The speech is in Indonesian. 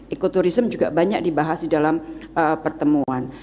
ekoturism juga banyak dibahas di dalam pertemuan